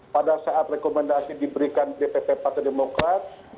pada saat rekomendasi diberikan dpp partai demokrat